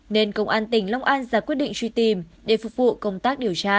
nên công an tỉnh long an ra quyết định truy tìm để phục vụ công tác điều tra